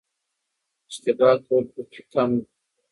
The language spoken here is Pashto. اشتباه کول پکې کم دي.